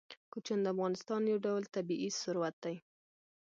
کوچیان د افغانستان یو ډول طبعي ثروت دی.